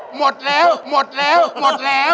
หมดแล้วหมดแล้วหมดแล้ว